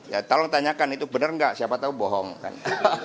ya tolong tanyakan itu benar nggak siapa tahu bohong kan